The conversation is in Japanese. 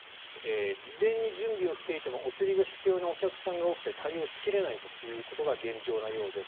事前に準備をしていてもお釣りが必要なお客さんが多くて対応しきれないということが現状なようです。